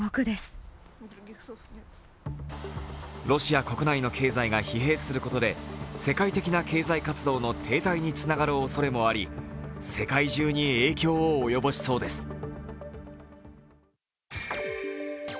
ロシア国内の経済が疲弊することで、世界的な経済活動の停滞につながるおそれもあり世界中に影響を及ぼしそうです。